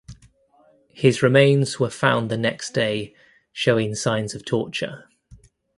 His remains were found the next day showing signs of torture.